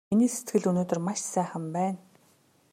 Миний сэтгэл өнөөдөр маш сайхан байна!